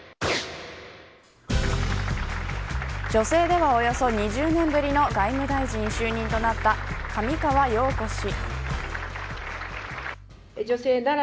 女性ではおよそ２０年ぶりの外務大臣就任となった上川陽子氏。